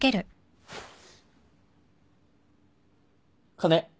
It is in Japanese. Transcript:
金。